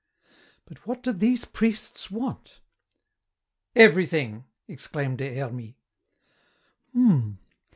"But what do these priests want?" "Everything!" exclaimed Des Hermies. "Hmmm.